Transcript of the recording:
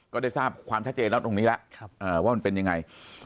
ก็ได้ทราบความชัดเจนแล้วตรงนี้แล้วว่ามันเป็นยังไง